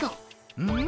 「うん？